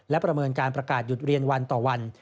และประเมินการประกาศหยุดเรียนวันต่อวัน